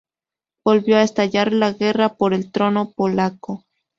Volvió a estallar la guerra por el trono polaco.